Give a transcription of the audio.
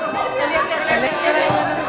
saya janji gak telat lagi